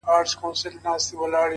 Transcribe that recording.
له هري غیږي له هر یاره سره لوبي کوي-